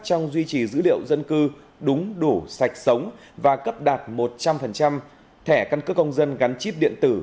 trong duy trì dữ liệu dân cư đúng đủ sạch sống và cấp đạt một trăm linh thẻ căn cước công dân gắn chip điện tử